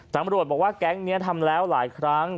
ตังค์บริวัติบอกว่าแก๊งนี้ทำแล้วหลายครั้ง